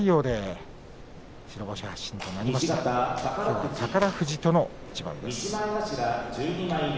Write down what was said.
きょうは宝富士との一番です。